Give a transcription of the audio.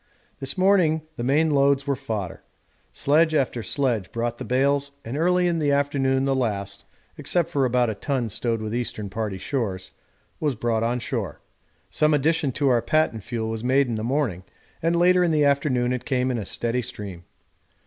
This morning the main loads were fodder. Sledge after sledge brought the bales, and early in the afternoon the last (except for about a ton stowed with Eastern Party stores) was brought on shore. Some addition to our patent fuel was made in the morning, and later in the afternoon it came in a steady stream.